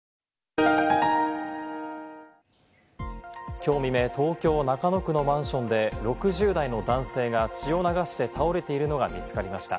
きょう未明、東京・中野区のマンションで６０代の男性が血を流して倒れているのが見つかりました。